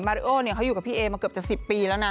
ริโอเนี่ยเขาอยู่กับพี่เอมาเกือบจะ๑๐ปีแล้วนะ